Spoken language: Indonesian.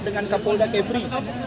dengan kapol dakebri